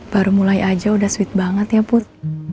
baru mulai aja udah sweet banget ya put